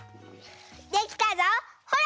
できたぞほら！